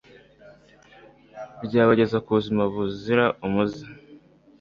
ryabageza ku buzima buzira umuze